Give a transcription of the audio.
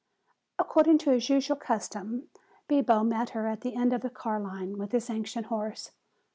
According to his usual custom Bibo met her at the end of the car line with his ancient horse.